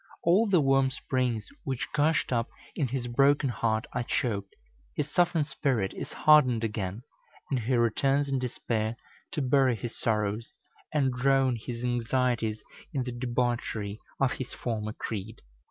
All the warm springs which gushed up in his broken heart are choked, his softened spirit is hardened again, and he returns in despair to bury his sorrows and drown his anxieties in the debauchery of his former creed.